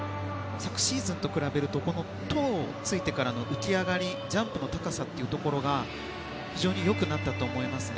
昨シーズンと比べるとトウをついてからの浮き上がり、ジャンプの高さが非常に良くなったと思いますね。